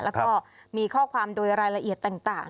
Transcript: แล้วก็มีข้อความโดยรายละเอียดต่าง